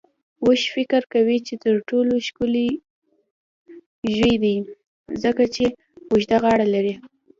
اوښ فکر کوي چې تر ټولو ښکلی ژوی دی، ځکه چې اوږده غاړه لري.